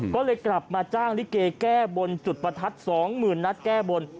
ก็เลยกลับมาจ้างลิเกแก้บนจุดประทัด๒๐๐๐นัดแก้บน